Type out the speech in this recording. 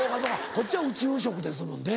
こっちは宇宙食ですもんね。